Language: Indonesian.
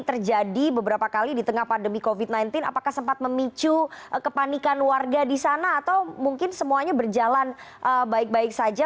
terjadi beberapa kali di tengah pandemi covid sembilan belas apakah sempat memicu kepanikan warga di sana atau mungkin semuanya berjalan baik baik saja